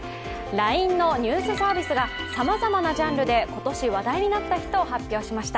ＬＩＮＥのニュースサービスがさまざまなジャンルで今年話題になった人を発表しました。